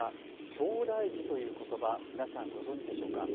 きょうだい児ということば皆さん、ご存じでしょうか。